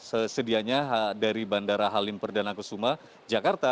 sesedianya dari bandara halim perdana kusuma jakarta